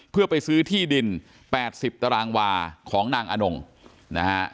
เพื่อไปซื้อที่ดิน๘๐ตารางวาของนางอนงนะฮะ